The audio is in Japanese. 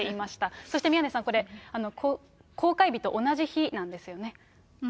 そして宮根さん、公開日と同じ日なんですよね。